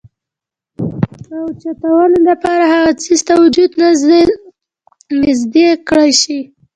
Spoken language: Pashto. راوچتولو د پاره هغه څيز ته وجود نزدې کړے شي ،